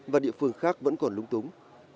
và địa phương khác vẫn còn lung túng